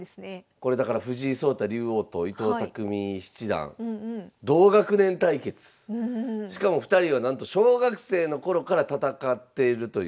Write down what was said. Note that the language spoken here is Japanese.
これだから藤井聡太竜王と伊藤匠七段しかも２人はなんと小学生の頃から戦っているという。